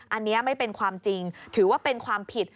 อันนี้ไม่เป็นความจริงถือว่าเป็นความผิด